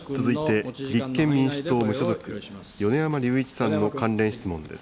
続いて立憲民主党・無所属、米山隆一さんの関連質問です。